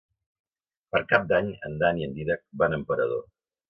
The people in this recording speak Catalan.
Per Cap d'Any en Dan i en Dídac van a Emperador.